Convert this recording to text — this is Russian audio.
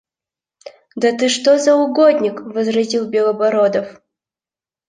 – Да ты что за угодник? – возразил Белобородов.